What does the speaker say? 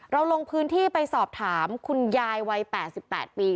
ลงพื้นที่ไปสอบถามคุณยายวัย๘๘ปี